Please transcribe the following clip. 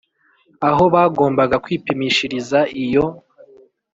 . Aho bagombaga kwipimishiriza iyo